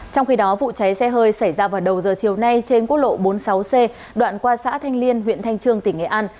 trong khi đó vụ cháy xe hơi xảy ra vào đầu giờ chiều nay trên quốc lộ bốn mươi sáu c đoạn qua xã thanh liên huyện thanh trương tỉnh nghệ an